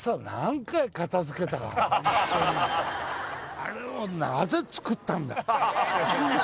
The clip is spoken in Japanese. あれをなぜ作ったんだ。